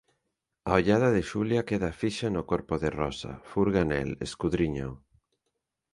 A ollada de Xulia queda fixa no corpo de Rosa, furga nel, escudríñao.